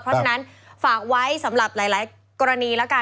เพราะฉะนั้นฝากไว้สำหรับหลายกรณีแล้วกัน